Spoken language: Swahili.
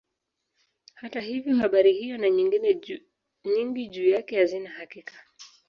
Hata hivyo habari hiyo na nyingine nyingi juu yake hazina hakika.